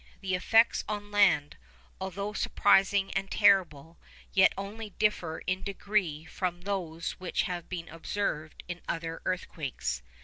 The effects on land, although surprising and terrible, yet only differ in degree from those which have been observed in other earthquakes.